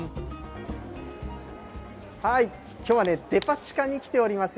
きょうはデパ地下に来ておりますよ。